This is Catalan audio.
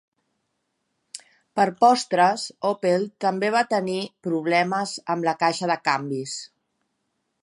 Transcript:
Per postres, Opel també va tenir problemes amb la caixa de canvis.